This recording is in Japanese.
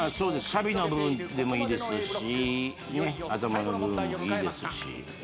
サビの部分でもいいですし頭の部分でもいいですし。